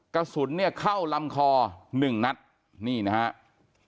กระสุนเข้าลำคอ๑นัดนี่นะครับ